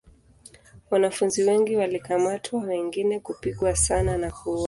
Wanafunzi wengi walikamatwa wengine kupigwa sana na kuuawa.